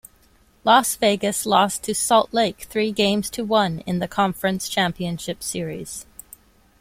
Las Vegas lost to Salt Lake three-games-to-one in the Conference Championship Series.